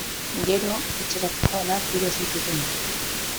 Gero, etxera zihoala tiroz hil zuten.